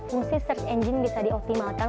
fungsi search engine bisa dioptimalkan